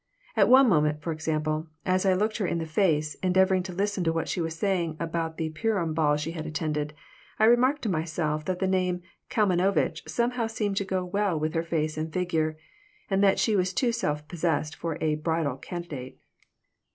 At one moment, for example, as I looked her in the face, endeavoring to listen to what she was saying about the Purim ball she had attended, I remarked to myself that the name Kalmanovitch somehow seemed to go well with her face and figure, and that she was too self possessed for a "bridal candidate."